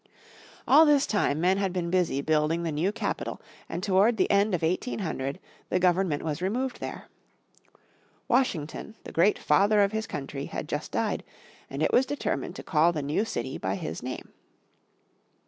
All this time men had been busy building the new capital and toward the end of 1800 the government was removed there. Washington, the great Father of his Country, had just died and it was determined to call the new city by his name.